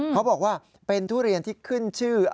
เขาบอกว่าเป็นทุเรียนที่ขึ้นชื่อ